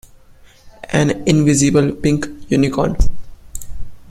An invisible pink unicorn.